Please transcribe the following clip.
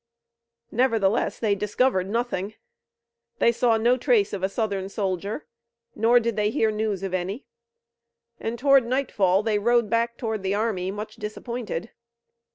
Nevertheless, they discovered nothing. They saw no trace of a Southern soldier, nor did they hear news of any, and toward nightfall they rode back toward the army, much disappointed.